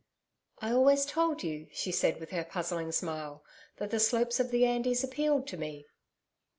"' 'I always told you,' she said with her puzzling smile, 'that the slopes of the Andes appealed to me.'